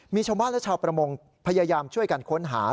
มีชาวบ้านและชาวประมงพยายามช่วยกันค้นหา